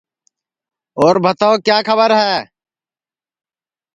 اور بھتاو کیا کھٻر ہے